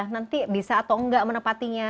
nanti bisa atau enggak menepatinya